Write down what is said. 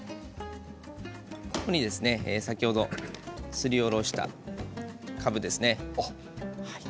ここに先ほどすりおろしたかぶですね。